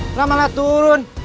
kenapa malah turun